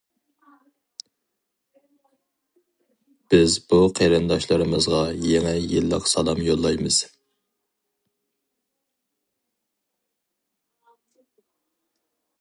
بىز بۇ قېرىنداشلىرىمىزغا يېڭى يىللىق سالام يوللايمىز.